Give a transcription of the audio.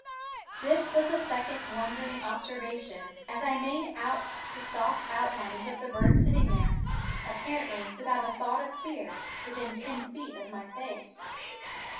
This was the second wondering observation, as I made out the soft outlines of the bird sitting there, apparently without a thought of fear, within ten feet of my face.